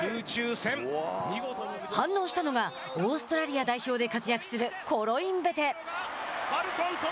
反応したのがオーストラリア代表で活躍するコロインベテ。